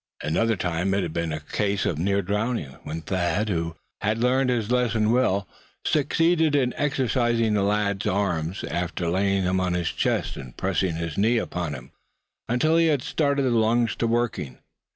Another time it had been a case of near drowning, when Thad, who had learned his lesson well, succeeded in exercising the lad's arms, after laying him on his chest and pressing his knee upon him, until he had started the lungs to working.